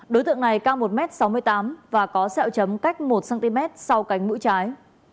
đối tượng này cao một m sáu mươi tám và có sẹo chấm cách một cm sau cánh mũi trái